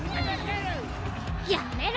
やめろ！